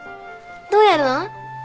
どうやるの？